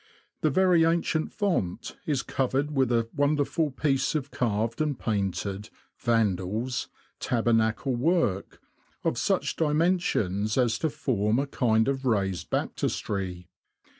The very ancient font is covered with a wonderful piece of carved and painted (Vandals !) tabernacle work, of such dimensions as to form a kind of raised baptistry.